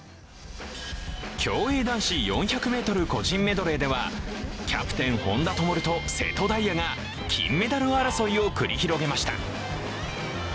競泳男子４００ｍ個人メドレーではキャプテン・本多灯と瀬戸大也が金メダル争いを繰り広げました。